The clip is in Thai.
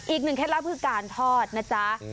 อีกหนึ่งเคล็ดลับคือการทอดนะจ๊ะ